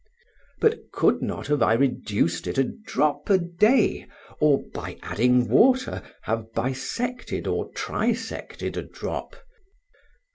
But could not have I reduced it a drop a day, or, by adding water, have bisected or trisected a drop?